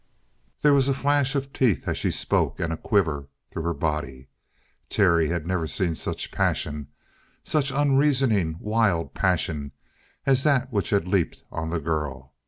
There was a flash of teeth as she spoke, and a quiver through her body. Terry had never seen such passion, such unreasoning, wild passion, as that which had leaped on the girl.